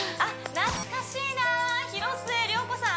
懐かしいな広末涼子さん